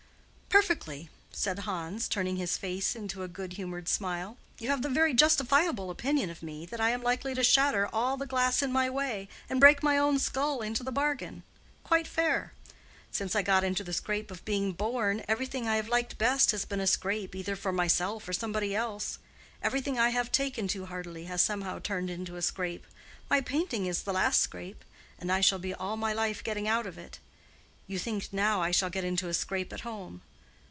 "Perfectly," said Hans, turning his face into a good humored smile. "You have the very justifiable opinion of me that I am likely to shatter all the glass in my way, and break my own skull into the bargain. Quite fair. Since I got into the scrape of being born, everything I have liked best has been a scrape either for myself or somebody else. Everything I have taken to heartily has somehow turned into a scrape. My painting is the last scrape; and I shall be all my life getting out of it. You think now I shall get into a scrape at home.